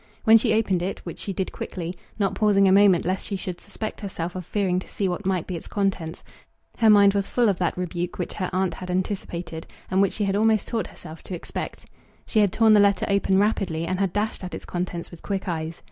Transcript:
When she opened it, which she did quickly, not pausing a moment lest she should suspect herself of fearing to see what might be its contents, her mind was full of that rebuke which her aunt had anticipated, and which she had almost taught herself to expect. She had torn the letter open rapidly, and had dashed at its contents with quick eyes.